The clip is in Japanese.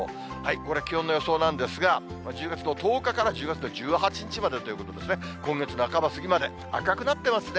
これ、気温の予想なんですが、１０月の１０日から１０月の１８日までということですね、今月半ば過ぎまで赤くなってますね。